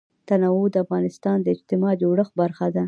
تنوع د افغانستان د اجتماعي جوړښت برخه ده.